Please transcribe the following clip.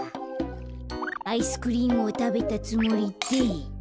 アイスクリームをたべたつもりで。